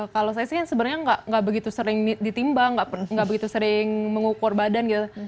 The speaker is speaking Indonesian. kalau saya sih sebenarnya nggak begitu sering ditimbang nggak begitu sering mengukur badan gitu